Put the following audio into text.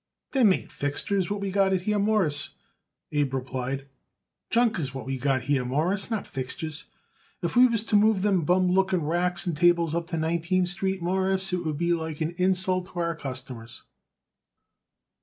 "Them ain't fixtures what we got it here, Mawruss," Abe replied. "Junk is what we got it here, Mawruss, not fixtures. If we was to move them bum looking racks and tables up to Nineteenth Street, Mawruss, it would be like an insult to our customers."